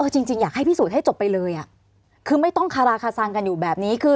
จริงอยากให้พิสูจน์ให้จบไปเลยคือไม่ต้องคาราคาซังกันอยู่แบบนี้คือ